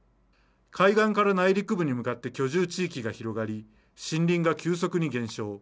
海岸から内陸部に向かって居住地域が広がり、森林が急速に減少。